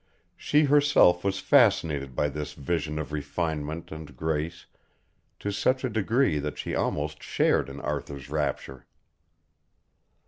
She herself was fascinated by this vision of refinement and grace to such a degree that she almost shared in Arthur's rapture.